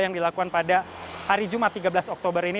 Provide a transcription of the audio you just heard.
yang dilakukan pada hari jumat tiga belas oktober ini